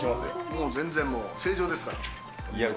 もう全然正常ですから。